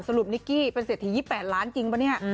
สรุปนิกกี้เป็นเสถีย๒๘ล้านจริงปะเนี่ย